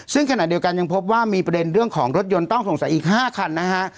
ซึ่งขณะเดียวกันยังพบว่ามีประเด็นเรื่องของรถยนต์ต้องสงสัยอีก๕คันนะฮะ